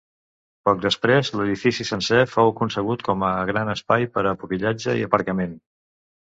Poc després, l'edifici sencer fou concebut com a gran espai per a pupil·latge i aparcament.